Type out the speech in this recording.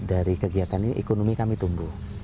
dari kegiatan ini ekonomi kami tumbuh